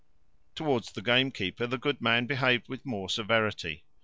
Towards the gamekeeper the good man behaved with more severity.